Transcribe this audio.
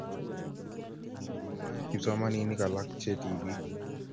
kinyoru moet kipsomaninik alak che tibik